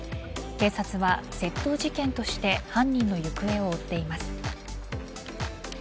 警察は窃盗事件として犯人の行方を追っています。